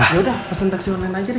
yaudah pesen taksi online aja deh